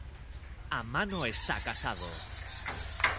Amano está casado.